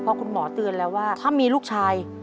เพราะคุณหมอเตือนแล้วว่าถ้ามีลูกชาย